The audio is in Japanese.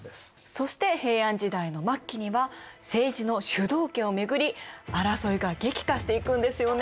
そして平安時代の末期には政治の主導権を巡り争いが激化していくんですよね。